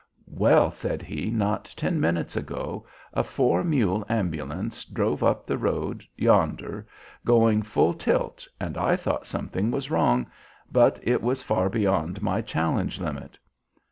'Well,' said he, 'not ten minutes ago a four mule ambulance drove up the road yonder going full tilt, and I thought something was wrong, but it was far beyond my challenge limit.'